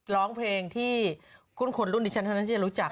ซองเพลงที่คุณขนรุ่นดิฉันตั้งแต่รู้จัก